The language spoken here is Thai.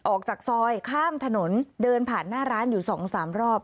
ออกจากซอยข้ามถนนเดินผ่านหน้าร้านอยู่๒๓รอบ